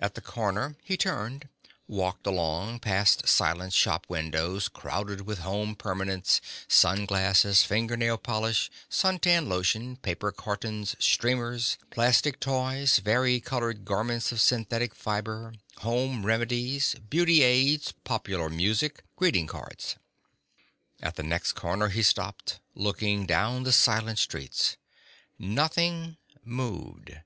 At the corner he turned, walked along past silent shop windows crowded with home permanents, sun glasses, fingernail polish, suntan lotion, paper cartons, streamers, plastic toys, vari colored garments of synthetic fiber, home remedies, beauty aids, popular music, greeting cards ... At the next corner he stopped, looking down the silent streets. Nothing moved.